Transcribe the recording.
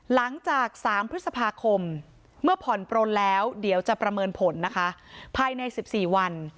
หลังจาก๓พฤษภาคมเมื่อผ่อนปลนแล้วเดี๋ยวจะประเมินผลนะคะภายใน๑๔วัน